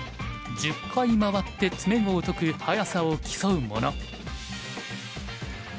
１０回回って詰碁を解く早さを競うもの。